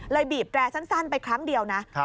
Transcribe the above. บีบแร่สั้นไปครั้งเดียวนะ